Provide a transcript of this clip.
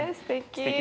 すてき。